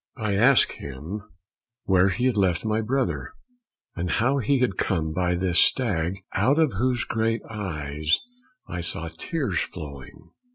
I asked him where he had left my brother, and how he had come by this stag, out of whose great eyes I saw tears flowing.